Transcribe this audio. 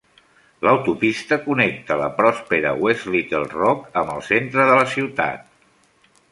L'autopista connecta la pròspera West Little Rock amb el centre de la ciutat.